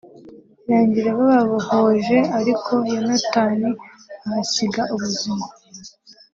birangira bababohoje ariko Yonatan ahasiga ubuzima